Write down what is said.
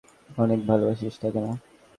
অনেক ভালোবাসিস তাকে না?